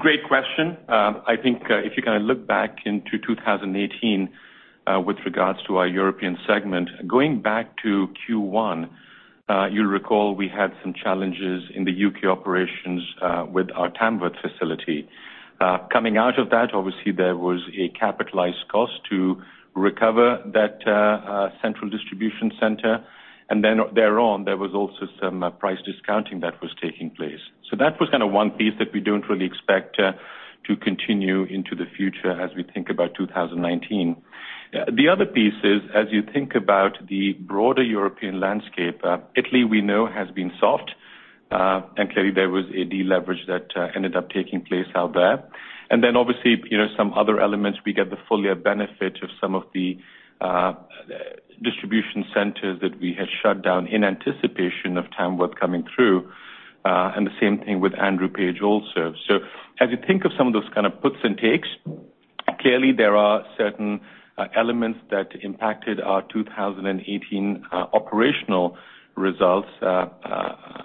Great question. I think, if you kind of look back into 2018, with regards to our European segment, going back to Q1, you'll recall we had some challenges in the U.K. operations with our Tamworth facility. Coming out of that, obviously, there was a capitalized cost to recover that central distribution center, and then thereon, there was also some price discounting that was taking place. That was kind of one piece that we don't really expect to continue into the future as we think about 2019. The other piece is, as you think about the broader European landscape, Italy, we know has been soft. Clearly there was a deleverage that ended up taking place out there. Obviously, some other elements, we get the full year benefit of some of the distribution centers that we had shut down in anticipation of Tamworth coming through. The same thing with Andrew Page also. As you think of some of those kind of puts and takes, clearly there are certain elements that impacted our 2018 operational results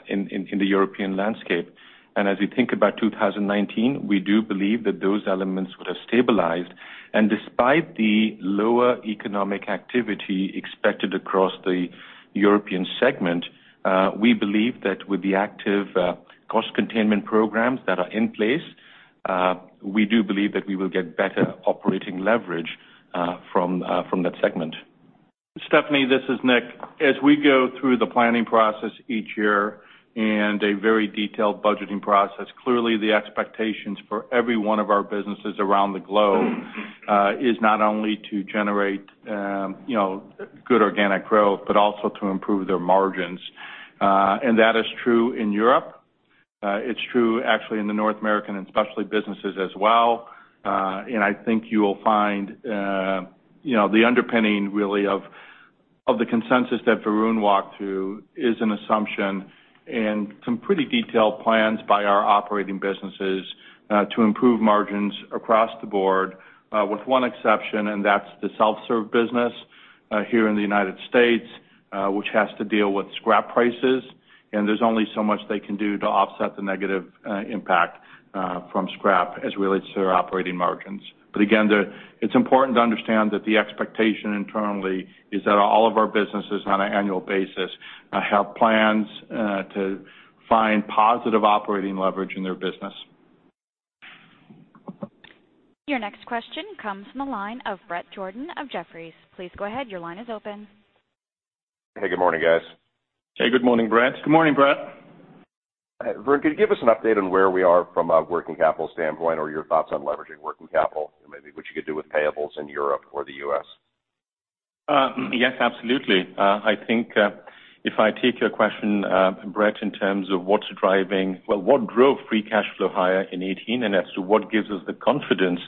in the European landscape. As we think about 2019, we do believe that those elements would have stabilized. Despite the lower economic activity expected across the European segment, we believe that with the active cost containment programs that are in place, we do believe that we will get better operating leverage from that segment. Stephanie, this is Nick. As we go through the planning process each year and a very detailed budgeting process, clearly the expectations for every one of our businesses around the globe is not only to generate good organic growth, but also to improve their margins. That is true in Europe. It's true, actually, in the North American and specialty businesses as well. I think you will find the underpinning really of the consensus that Varun walked through is an assumption and some pretty detailed plans by our operating businesses, to improve margins across the board, with one exception, and that's the self-serve business, here in the United States, which has to deal with scrap prices, and there's only so much they can do to offset the negative impact from scrap as it relates to their operating margins. Again, it's important to understand that the expectation internally is that all of our businesses on an annual basis have plans to find positive operating leverage in their business. Your next question comes from the line of Bret Jordan of Jefferies. Please go ahead, your line is open. Hey, good morning, guys. Hey, good morning, Bret. Good morning, Bret. Varun, could you give us an update on where we are from a working capital standpoint or your thoughts on leveraging working capital, and maybe what you could do with payables in Europe or the U.S.? Yes, absolutely. I think, if I take your question, Bret, in terms of what drove free cash flow higher in 2018, and as to what gives us the confidence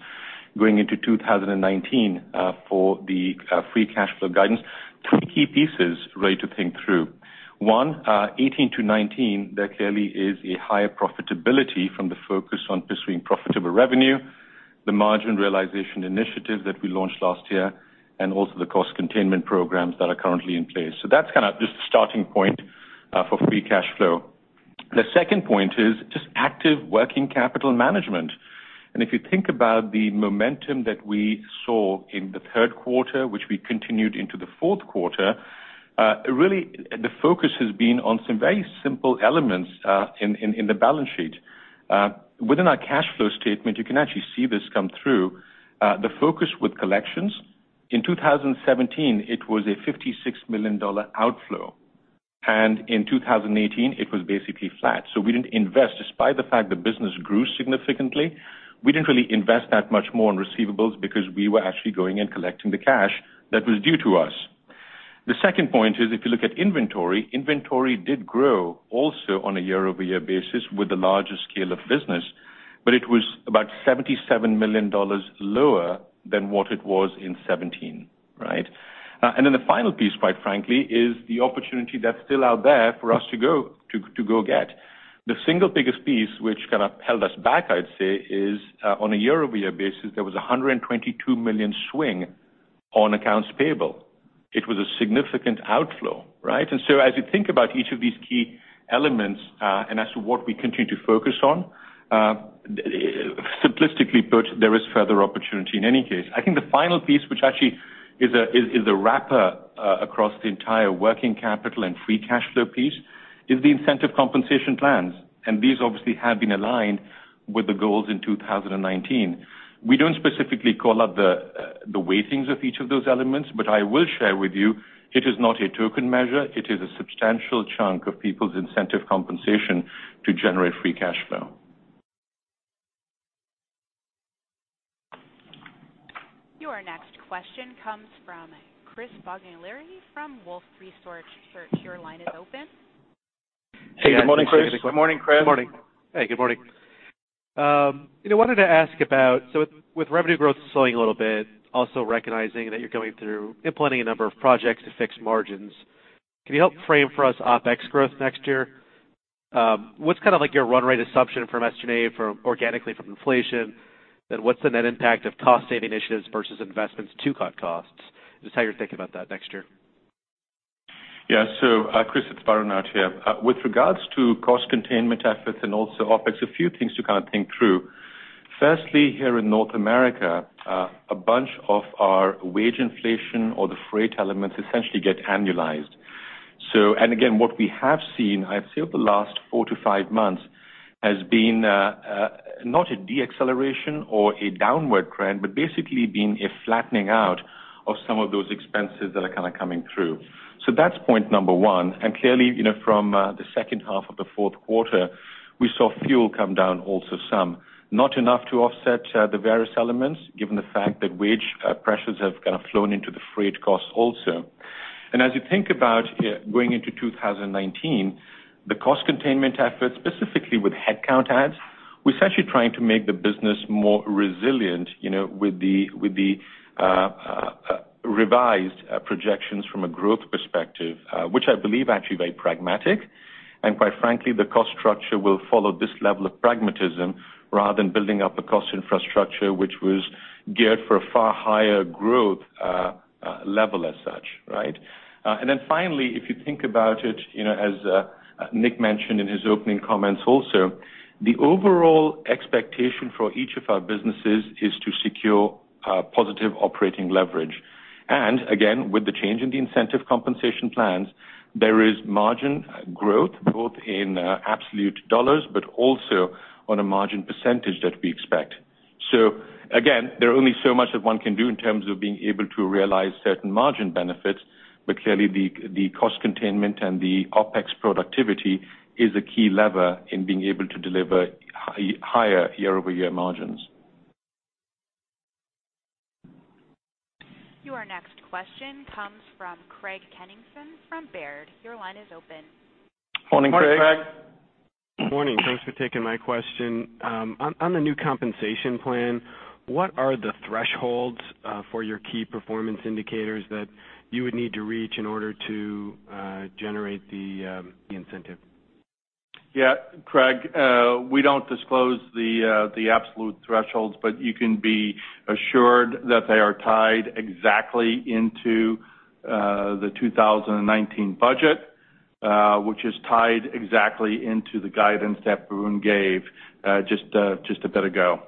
going into 2019, for the free cash flow guidance, two key pieces really to think through. One, 2018 to 2019, there clearly is a higher profitability from the focus on pursuing profitable revenue, the margin realization initiative that we launched last year, and also the cost containment programs that are currently in place. That's kind of just the starting point for free cash flow. The second point is just active working capital management. If you think about the momentum that we saw in the third quarter, which we continued into the fourth quarter, really the focus has been on some very simple elements in the balance sheet. Within our cash flow statement, you can actually see this come through, the focus with collections. In 2017, it was a $56 million outflow. In 2018, it was basically flat. We didn't invest. Despite the fact the business grew significantly, we didn't really invest that much more in receivables because we were actually going and collecting the cash that was due to us. The second point is, if you look at inventory did grow also on a year-over-year basis with the larger scale of business, but it was about $77 million lower than what it was in 2017. Right? The final piece, quite frankly, is the opportunity that's still out there for us to go get. The single biggest piece which kind of held us back, I'd say, is on a year-over-year basis, there was a $122 million swing on accounts payable. It was a significant outflow, right? As you think about each of these key elements, and as to what we continue to focus on, simplistically put, there is further opportunity in any case. I think the final piece, which actually is a wrapper across the entire working capital and free cash flow piece, is the incentive compensation plans. These obviously have been aligned with the goals in 2019. We don't specifically call out the weightings of each of those elements, but I will share with you, it is not a token measure. It is a substantial chunk of people's incentive compensation to generate free cash flow. Your next question comes from Chris Bottiglieri from Wolfe Research. Your line is open. Hey, good morning, Chris. Good morning, Chris. Good morning. Hey, good morning. I wanted to ask about, with revenue growth slowing a little bit, also recognizing that you're going through implementing a number of projects to fix margins, can you help frame for us OpEx growth next year? What's kind of like your run rate assumption from estimate organically from inflation? What's the net impact of cost-saving initiatives versus investments to cut costs? Just how you're thinking about that next year. Yeah. Chris, it's Varun out here. With regards to cost containment efforts and also OpEx, a few things to kind of think through. Firstly, here in North America, a bunch of our wage inflation or the freight elements essentially get annualized. And again, what we have seen, I'd say over the last 4 to 5 months, has been, not a deceleration or a downward trend, but basically been a flattening out of some of those expenses that are kind of coming through. That's point number one. Clearly, from the second half of the fourth quarter, we saw fuel come down also some. Not enough to offset the various elements, given the fact that wage pressures have kind of flown into the freight costs also. As you think about going into 2019, the cost containment efforts, specifically with headcount adds, we're essentially trying to make the business more resilient with the revised projections from a growth perspective, which I believe actually very pragmatic. Quite frankly, the cost structure will follow this level of pragmatism rather than building up a cost infrastructure which was geared for a far higher growth level as such, right? Finally, if you think about it, as Nick mentioned in his opening comments also, the overall expectation for each of our businesses is to secure positive operating leverage. Again, with the change in the incentive compensation plans, there is margin growth, both in absolute USD, but also on a margin percentage that we expect. Again, there are only so much that one can do in terms of being able to realize certain margin benefits, but clearly the cost containment and the OpEx productivity is a key lever in being able to deliver higher year-over-year margins. Your next question comes from Craig Kennison from Baird. Your line is open. Morning, Craig. Morning, Craig. Morning. Thanks for taking my question. On the new compensation plan, what are the thresholds for your key performance indicators that you would need to reach in order to generate the incentive? Craig, we don't disclose the absolute thresholds, but you can be assured that they are tied exactly into the 2019 budget, which is tied exactly into the guidance that Varun gave just a bit ago.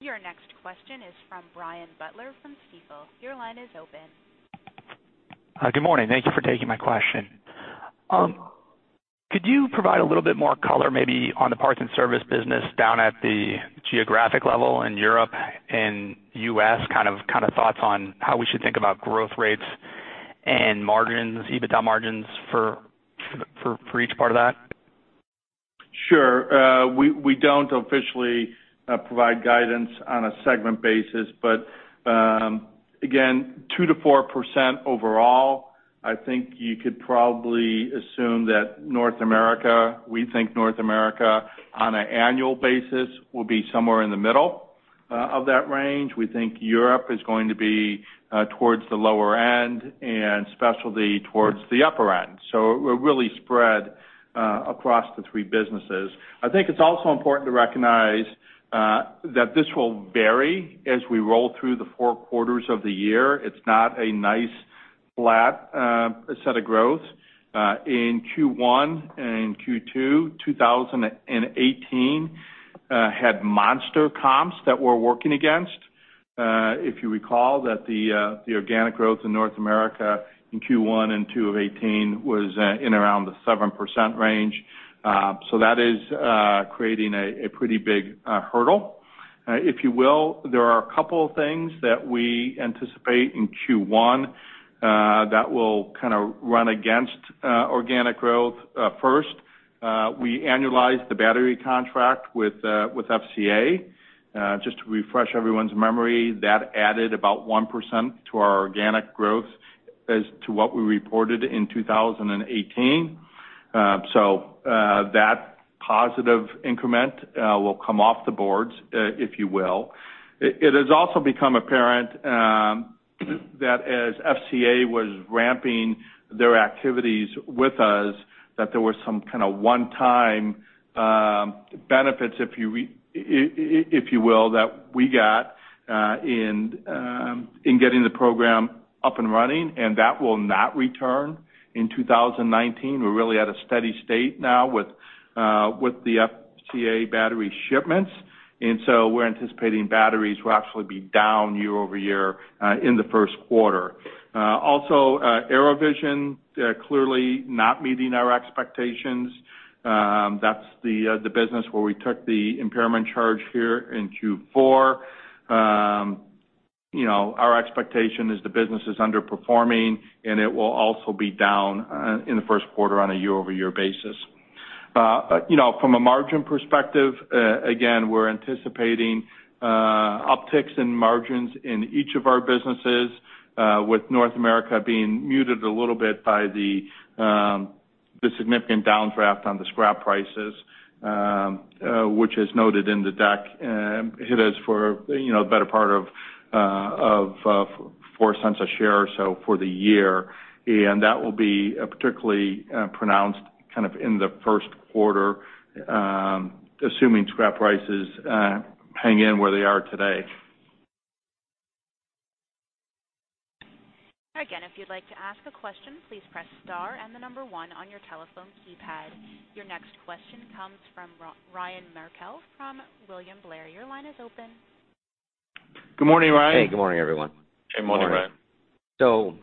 Your next question is from Brian Butler from Stifel. Your line is open. Good morning. Thank you for taking my question. Could you provide a little bit more color maybe on the parts and service business down at the geographic level in Europe and U.S., kind of thoughts on how we should think about growth rates and margins, EBITDA margins for each part of that? Sure. We don't officially provide guidance on a segment basis, but again, 2%-4% overall. I think you could probably assume that North America, we think North America on an annual basis will be somewhere in the middle of that range. We think Europe is going to be towards the lower end, and specialty towards the upper end. We're really spread across the three businesses. I think it's also important to recognize that this will vary as we roll through the four quarters of the year. It's not a nice flat set of growth. In Q1 and Q2, 2018 had monster comps that we're working against. If you recall that the organic growth in North America in Q1 and 2 of 2018 was in around the 7% range. That is creating a pretty big hurdle, if you will. There are a couple things that we anticipate in Q1 that will kind of run against organic growth. First, we annualized the battery contract with FCA. Just to refresh everyone's memory, that added about 1% to our organic growth as to what we reported in 2018. That positive increment will come off the boards, if you will. It has also become apparent that as FCA was ramping their activities with us, that there was some kind of one-time benefits, if you will, that we got in getting the program up and running, and that will not return in 2019. We're really at a steady state now with the FCA battery shipments. We're anticipating batteries will actually be down year-over-year in the first quarter. Also, AeroVision, clearly not meeting our expectations. That's the business where we took the impairment charge here in Q4. Our expectation is the business is underperforming, and it will also be down in the first quarter on a year-over-year basis. From a margin perspective, again, we're anticipating upticks in margins in each of our businesses, with North America being muted a little bit by the significant downdraft on the scrap prices, which is noted in the deck. It is for the better part of $0.04 a share or so for the year. That will be particularly pronounced kind of in the first quarter, assuming scrap prices hang in where they are today. Again, if you'd like to ask a question, please press star and the number one on your telephone keypad. Your next question comes from Ryan Merkel from William Blair. Your line is open. Good morning, Ryan. Hey, good morning, everyone. Good morning, Ryan.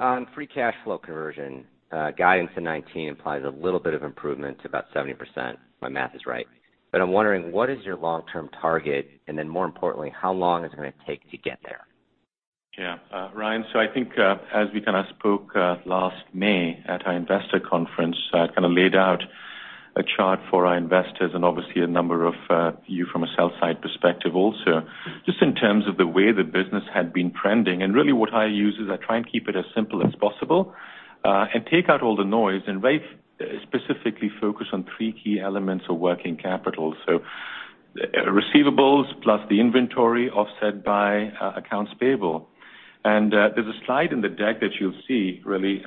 On free cash flow conversion, guidance in 2019 implies a little bit of improvement to about 70%, if my math is right. I'm wondering, what is your long-term target, and more importantly, how long is it going to take to get there? Yeah. Ryan, I think as we kind of spoke last May at our investor conference, I kind of laid out a chart for our investors, and obviously a number of you from a sell side perspective also, just in terms of the way the business had been trending. Really what I use is I try and keep it as simple as possible and take out all the noise and very specifically focus on three key elements of working capital. Receivables plus the inventory offset by accounts payable. There's a slide in the deck that you'll see, really,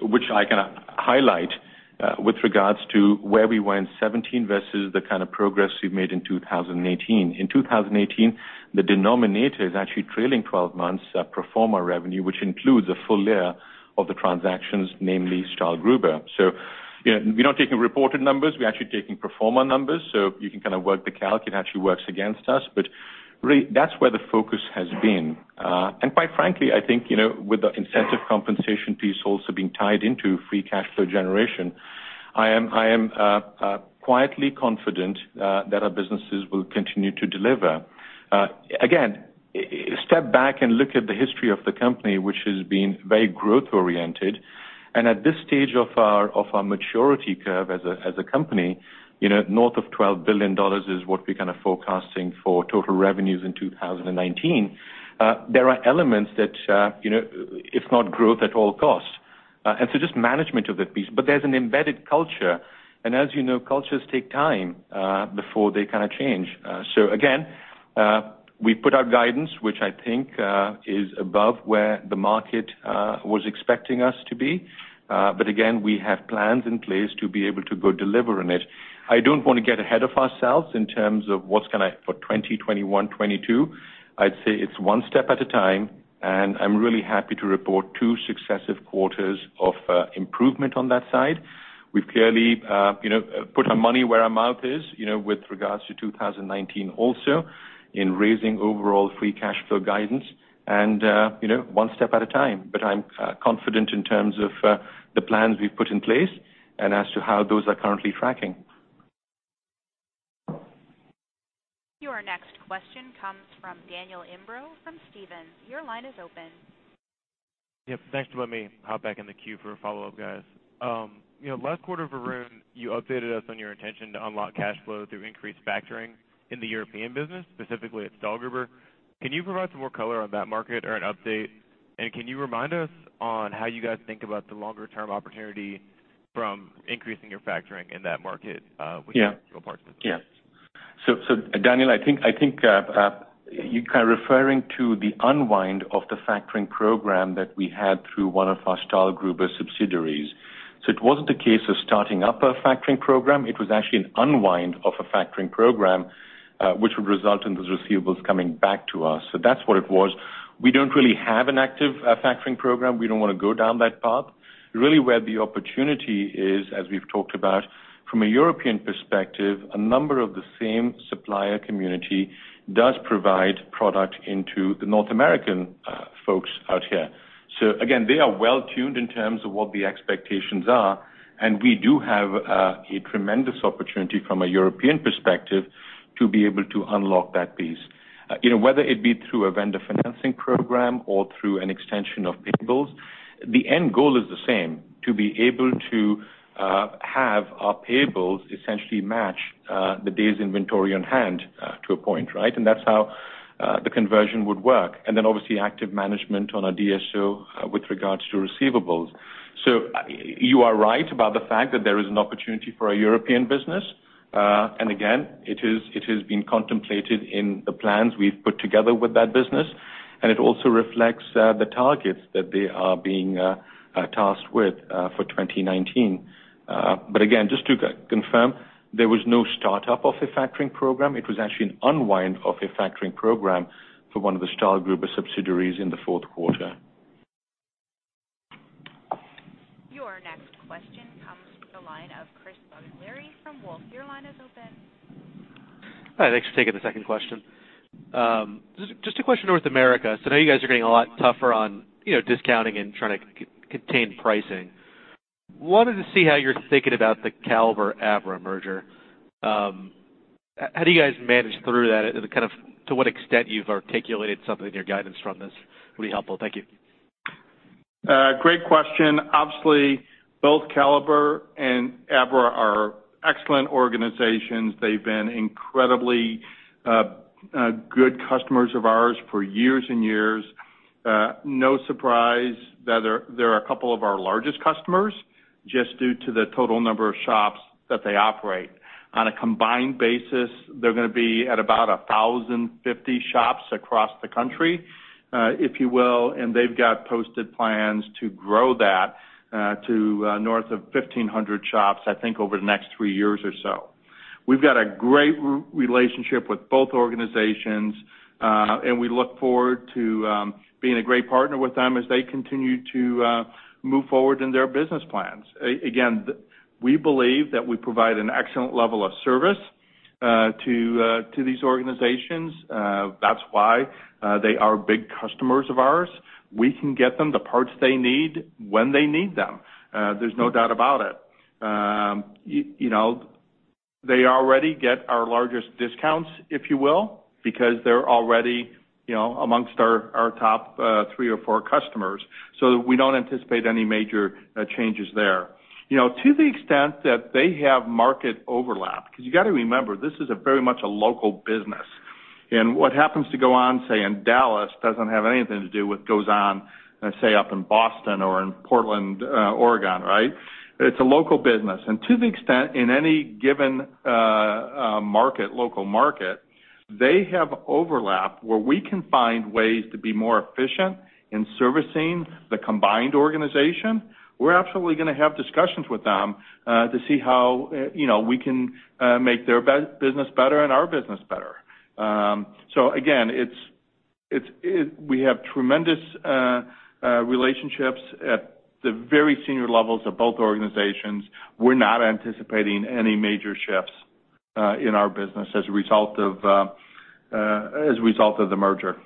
which I can highlight with regards to where we were in 2017 versus the kind of progress we've made in 2018. In 2018, the denominator is actually trailing 12 months pro forma revenue, which includes a full year of the transactions, namely Stahlgruber. We're not taking reported numbers, we're actually taking pro forma numbers. You can kind of work the calc. It actually works against us. Really, that's where the focus has been. Quite frankly, I think, with the incentive compensation piece also being tied into free cash flow generation, I am quietly confident that our businesses will continue to deliver. Step back and look at the history of the company, which has been very growth oriented. At this stage of our maturity curve as a company, north of $12 billion is what we're kind of forecasting for total revenues in 2019. There are elements that, it's not growth at all costs. Just management of that piece. There's an embedded culture, and as you know, cultures take time before they kind of change. Again, we put our guidance, which I think is above where the market was expecting us to be. Again, we have plans in place to be able to go deliver on it. I don't want to get ahead of ourselves in terms of what's going to for 2021, 2022. I'd say it's one step at a time, and I'm really happy to report two successive quarters of improvement on that side. We've clearly put our money where our mouth is with regards to 2019 also in raising overall free cash flow guidance, and one step at a time. I'm confident in terms of the plans we've put in place and as to how those are currently tracking. Your next question comes from Daniel Imbro from Stephens. Your line is open. Yep, thanks for letting me hop back in the queue for a follow-up, guys. Last quarter, Varun, you updated us on your intention to unlock cash flow through increased factoring in the European business, specifically at Stahlgruber. Can you provide some more color on that market or an update? Can you remind us on how you guys think about the longer-term opportunity from increasing your factoring in that market with your partners? Daniel, I think you're kind of referring to the unwind of the factoring program that we had through one of our Stahlgruber subsidiaries. It wasn't a case of starting up a factoring program. It was actually an unwind of a factoring program, which would result in those receivables coming back to us. That's what it was. We don't really have an active factoring program. We don't want to go down that path. Really where the opportunity is, as we've talked about from a European perspective, a number of the same supplier community does provide product into the North American Folks out here. Again, they are well-tuned in terms of what the expectations are, and we do have a tremendous opportunity from a European perspective to be able to unlock that piece. Whether it be through a vendor financing program or through an extension of payables, the end goal is the same, to be able to have our payables essentially match the day's inventory on hand to a point, right? That's how the conversion would work, and then obviously active management on our DSO with regards to receivables. You are right about the fact that there is an opportunity for our European business. Again, it is being contemplated in the plans we've put together with that business, and it also reflects the targets that they are being tasked with for 2019. Again, just to confirm, there was no startup of a factoring program. It was actually an unwind of a factoring program for one of the Stahlgruber subsidiaries in the fourth quarter. Your next question comes from the line of Chris Bottiglieri from Wolfe Research. Your line is open. Hi, thanks for taking the second question. Just a question on North America. Now you guys are getting a lot tougher on discounting and trying to contain pricing. Wanted to see how you're thinking about the Caliber ABRA merger. How do you guys manage through that? To what extent you've articulated something in your guidance from this would be helpful. Thank you. Great question. Obviously, both Caliber and ABRA are excellent organizations. They've been incredibly good customers of ours for years and years. No surprise that they are a couple of our largest customers just due to the total number of shops that they operate. On a combined basis, they're going to be at about 1,050 shops across the country, if you will, and they've got posted plans to grow that to north of 1,500 shops, I think over the next 3 years or so. We've got a great relationship with both organizations, and we look forward to being a great partner with them as they continue to move forward in their business plans. Again, we believe that we provide an excellent level of service to these organizations. That's why they are big customers of ours. We can get them the parts they need when they need them. There's no doubt about it. They already get our largest discounts, if you will, because they're already amongst our top 3 or 4 customers. We don't anticipate any major changes there. To the extent that they have market overlap, because you got to remember, this is very much a local business. What happens to go on, say, in Dallas doesn't have anything to do with goes on, let's say, up in Boston or in Portland, Oregon, right? It's a local business. To the extent in any given local market, they have overlap where we can find ways to be more efficient in servicing the combined organization. We're absolutely going to have discussions with them to see how we can make their business better and our business better. Again, we have tremendous relationships at the very senior levels of both organizations. We're not anticipating any major shifts in our business as a result of the merger.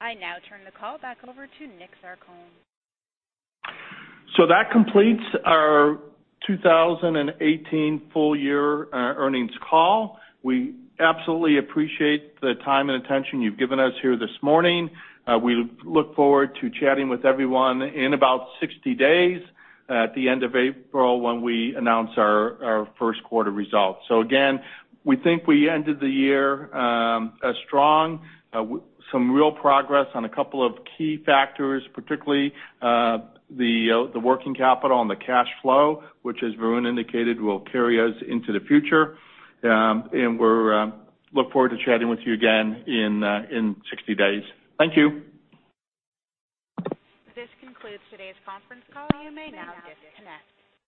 I now turn the call back over to Dominick Zarcone. That completes our 2018 full year earnings call. We absolutely appreciate the time and attention you've given us here this morning. We look forward to chatting with everyone in about 60 days at the end of April when we announce our first quarter results. Again, we think we ended the year strong. Some real progress on a couple of key factors, particularly the working capital and the cash flow, which as Varun indicated, will carry us into the future. We look forward to chatting with you again in 60 days. Thank you. This concludes today's conference call. You may now disconnect.